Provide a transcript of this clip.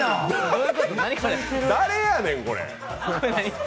誰やねん、これ。